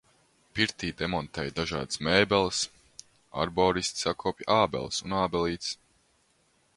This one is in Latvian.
Pirtī demontēju dažādas mēbeles. Arboristi sakopj ābeles un ābelītes.